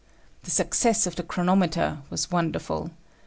The success of the chronometer was wonderful.